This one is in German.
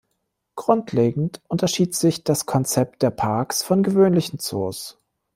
Grundlegend unterschied sich das Konzept der Parks von gewöhnlichen Zoos.